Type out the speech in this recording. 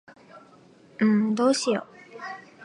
んーどうしよ。